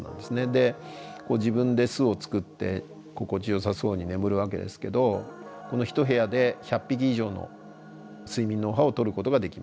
自分で巣を作って心地よさそうに眠るわけですけどこの一部屋で１００匹以上の睡眠脳波をとることができます。